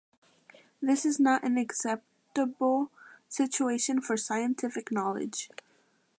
This is not an acceptable situation for scientific knowledge.